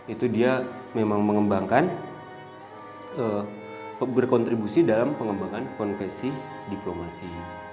itu dia memang mengembangkan berkontribusi dalam pengembangan konfesi diplomasi